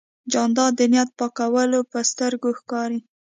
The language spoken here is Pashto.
جانداد د نیت پاکوالی په سترګو ښکاري.